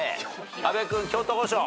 阿部君京都御所。